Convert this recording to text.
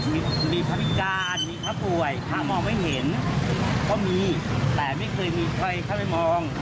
มีมีพระพิการมีพระป่วยพระมองไม่เห็นก็มีแต่ไม่เคยมีใครเข้าไปมอง